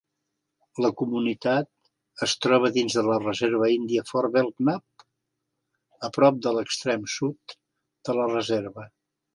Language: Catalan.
La comunitat es troba dins de la reserva índia Fort Belknap, a prop de l'extrem sud de la reserva.